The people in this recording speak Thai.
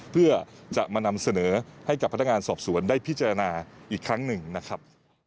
เพื่อจะมานำเสนอให้กับพนักงานสอบสวนได้พิจารณาอีกครั้งหนึ่งนะครับ